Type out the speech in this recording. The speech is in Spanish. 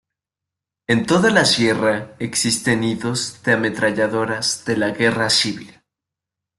En toda la sierra existen nidos de ametralladoras de la Guerra Civil.